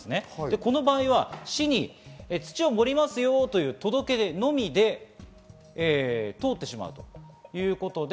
この場合、市に土を盛りますよという届けのみで通ってしまうということです。